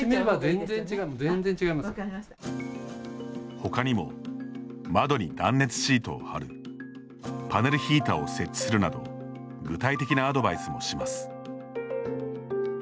他にも、窓に断熱シートを貼るパネルヒーターを設置するなど具体的なアドバイスもします。